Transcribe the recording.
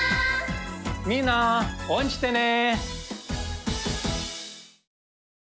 みんな応援してね！